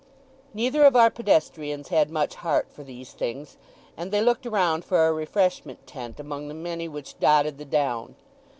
Neither of our pedestrians had much heart for these things, and they looked around for a refreshment tent among the many which dotted the down.